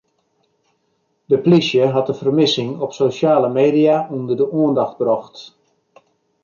De polysje hat de fermissing op sosjale media ûnder de oandacht brocht.